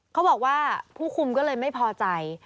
เขาบอกว่าผู้คุมก็เลยไม่พอใจ